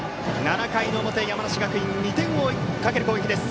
７回の表、山梨学院２点を追いかける攻撃です。